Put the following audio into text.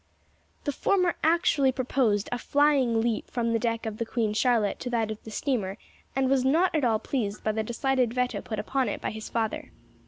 The former actually proposed a flying leap from the deck of the Queen Charlotte to that of the steamer and was not at all pleased by the decided veto put upon it by his father.